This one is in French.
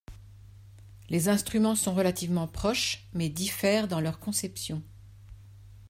Les instruments sont relativement proches, mais diffèrent dans leur conception.